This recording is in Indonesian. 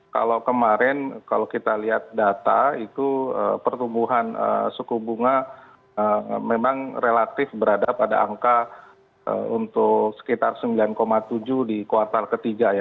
kalau kemarin kalau kita lihat data itu pertumbuhan suku bunga memang relatif berada pada angka untuk sekitar sembilan tujuh di kuartal ketiga ya